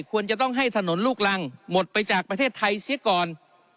ควรจะต้องให้ถนนลูกรังหมดไปจากประเทศไทยเสียก่อน